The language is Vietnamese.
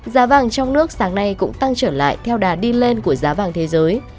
giá vàng trong nước sáng nay cũng tăng trở lại theo đà đi lên của giá vàng thế giới